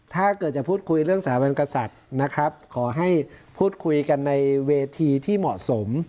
ถ้าเกิดจะพูดคุยเรื่องสถาบันกษัตริย์นะครับขอให้พูดคุยกันในเวทีที่เหมาะสม